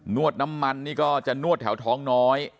วดน้ำมันนี่ก็จะนวดแถวท้องน้อย